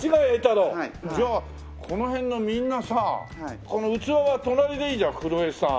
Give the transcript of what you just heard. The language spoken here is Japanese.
じゃあこの辺のみんなさこの器は隣でいいじゃん黒江さん。